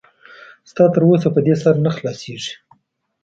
ستا تر اوسه په دې سر نه خلاصېږي.